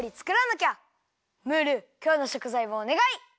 ムールきょうのしょくざいをおねがい！